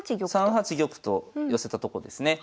３八玉と寄せたとこですね。